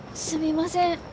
すみません。